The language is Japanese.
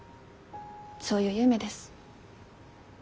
そういう夢です。